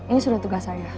ini sudah tugas saya